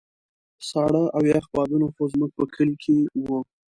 ساړه او يخ بادونه خو زموږ په کلي کې وو.